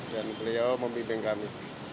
dan beliau membimbing kami